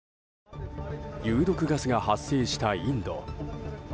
有毒ガスが発生したインド。